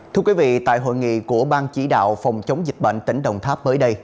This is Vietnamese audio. thưa quý vị tại hội nghị của bang chỉ đạo phòng chống dịch bệnh tỉnh đồng tháp mới đây